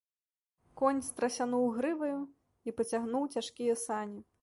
Конь страсянуў грываю і пацягнуў цяжкія сані.